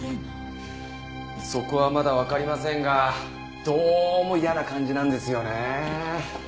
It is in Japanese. そこはまだわかりませんがどうも嫌な感じなんですよね。